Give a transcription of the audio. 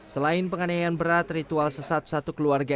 selain penganiayaan berat ritual sesat satu keluarga